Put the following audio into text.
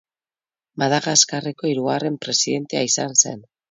Madagaskarreko hirugarren presidentea izan zen.